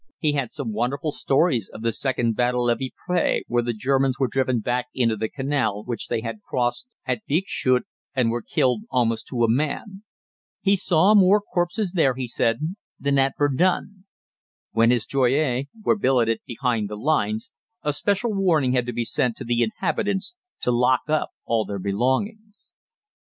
He had some wonderful stories of the second battle of Ypres, where the Germans were driven back into the canal which they had crossed at Bixschoote, and were killed almost to a man. He saw more corpses there, he said, than at Verdun. When his "Joyeux" were billeted behind the lines, a special warning had to be sent to the inhabitants to lock up all their belongings.